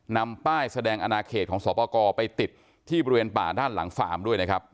นำป้ายแสดงอนาเขตของสอบประกอบไปติดที่บริเวณป่าด้านหลังฟาร์มด้วยนะครับ